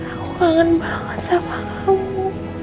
aku kangen banget sama kamu